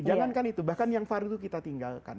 jangan kan itu bahkan yang farlu kita tinggalkan